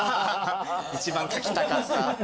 一番描きたかった。